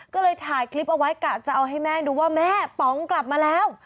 ก็เลยถ่ายคลิปเอาไว้กะจะเอาให้แม่ดูว่าแม่ป๋องกลับมาแล้ว